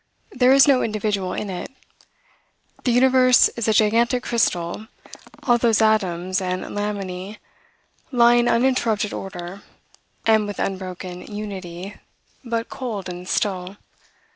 There is no individual in it. The universe is a gigantic crystal, all those atoms and laminae lie in uninterrupted order, and with unbroken unity, but cold and still.